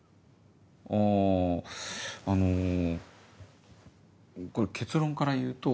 あぁあの。これ結論から言うと。